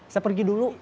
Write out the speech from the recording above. saya pergi dulu